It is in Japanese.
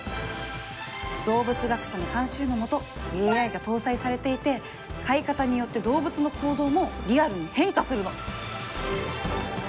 動物学者の監修のもとＡＩが搭載されていて飼い方によって動物の行動もリアルに変化するの。